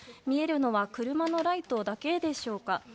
見えるのは車のライトだけでしょうか。